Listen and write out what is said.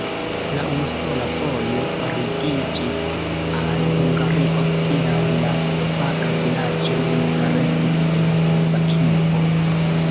La unusola vojo ligiĝis al Hungario, tial la slovaka vilaĝo ne restis en Slovakio.